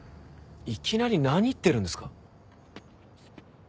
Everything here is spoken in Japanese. いきなり何言ってるんですか？